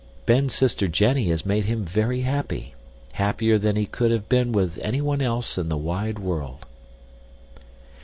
Ben's sister Jenny has made him very happy, happier than he could have been with anyone else in the wide world.